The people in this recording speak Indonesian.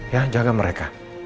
ya jaga mereka